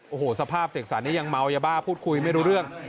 โอ้โหสภาพเสกสรรนี้ยังเมายาบ้าพูดคุยไม่รู้เรื่อง